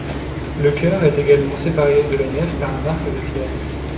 Le chœur est également séparé de la nef par un arc de pierre.